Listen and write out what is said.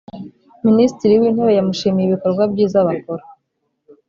Minisitiri w’Intebe yamushimiye ibikorwa byiza bakora